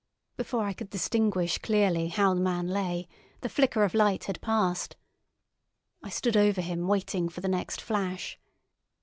Before I could distinguish clearly how the man lay, the flicker of light had passed. I stood over him waiting for the next flash.